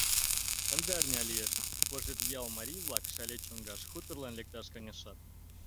Ынде арня лиеш, Кожеръял марий-влак Шале чоҥгаш хуторлан лекташ каҥашат.